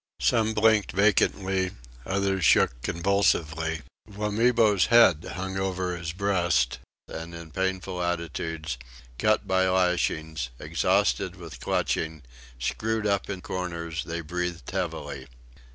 Some blinked vacantly, others shook convulsively; Wamibo's head hung over his breast; and in painful attitudes, cut by lashings, exhausted with clutching, screwed up in corners, they breathed heavily.